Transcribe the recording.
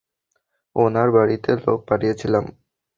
ওনার বাড়িতে লোক পাঠিয়েছিলাম।